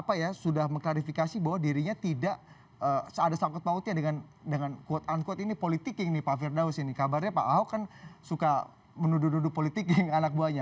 dan bahkan dia apa ya sudah mekarifikasi bahwa dirinya tidak seada sangkut mautnya dengan dengan quote unquote ini politiking nih pak firdaus ini kabarnya pak ahok kan suka menuduh nuduh politiking anak buahnya